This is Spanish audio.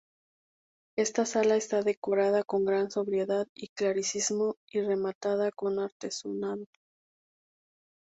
Esta sala está decorada con gran sobriedad y clasicismo y rematada con artesonado.